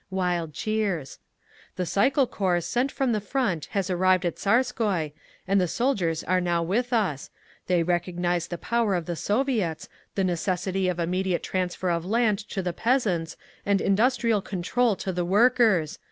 Wild cheers. "The Cycle Corps sent from the front has arrived at Tsarskoye, and the soldiers are now with us; they recognise the power of the Soviets, the necessity of immediate transfer of land to the peasants and industrial control to the workers.